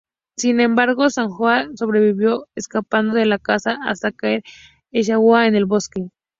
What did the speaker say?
Sin embargo, Sonja sobrevivió, escapando de la casa hasta caer exhausta en el bosque.